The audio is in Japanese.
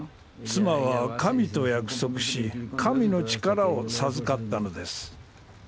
妻は神と約束し神の力を授かったのです。